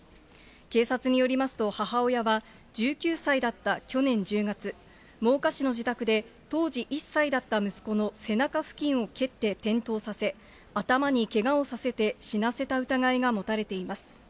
警察によりますと、母親は１９歳だった去年１０月、真岡市の自宅で、当時１歳だった息子の背中付近を蹴って転倒させ、頭にけがをさせて死なせた疑いが持たれています。